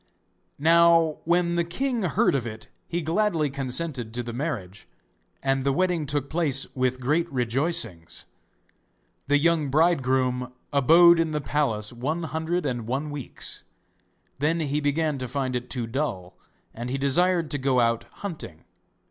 Now when the king heard of it he gladly consented to the marriage, and the wedding took place with great rejoicings. The young bridegroom abode in the palace one hundred and one weeks. Then he began to find it too dull, and he desired to go out hunting.